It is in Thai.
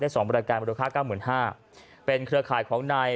สองบริการมูลค่าเก้าหมื่นห้าเป็นเครือข่ายของนาย